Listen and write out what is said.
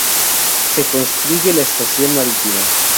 Se construye la Estación Marítima.